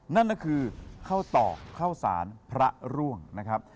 นั่นก็คือข้าวตอกข้าวสารพระร่วงนะครับ